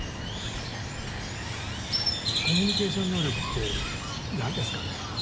コミュニケーション能力って何ですかね？